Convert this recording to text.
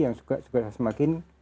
yang juga semakin